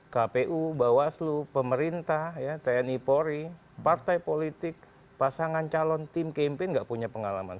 kpu bawaslu pemerintah tni polri partai politik pasangan calon tim campaign nggak punya pengalaman